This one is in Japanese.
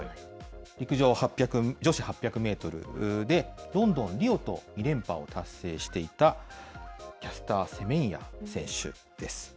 陸上女子８００メートルで、ロンドン、リオと２連覇を達成していた、キャスター・セメンヤ選手です。